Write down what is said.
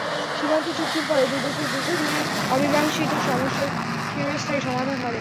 সীমান্ত চুক্তির ফলে দুই দেশের দীর্ঘদিনের অমীমাংসিত সমস্যার চিরস্থায়ী সমাধান হবে।